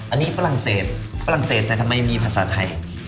อันนี้ฝรั่งเศสฝรั่งเศสแต่ทำไมมีภาษาไทย